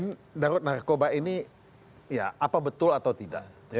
ini darurat narkoba ini ya apa betul atau tidak